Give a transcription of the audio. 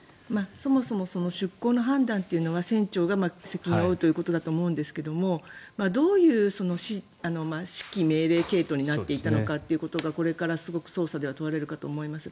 そもそも出航の判断というのは船長が責任を負うということだと思うんですがどういう指揮命令系統になっていたのかということがこれからすごく捜査では問われるかと思います。